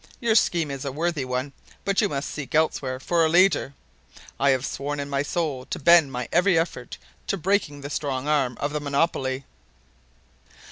Your scheme is a worthy one, but you must seek elsewhere for a leader. I have sworn in my soul to bend my every effort to break the strong arm of the Monopoly."